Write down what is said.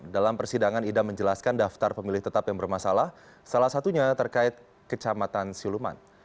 dalam persidangan idam menjelaskan daftar pemilih tetap yang bermasalah salah satunya terkait kecamatan siluman